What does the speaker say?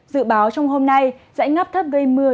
dự báo trong hôm nay dãy ngắp thấp gây mưa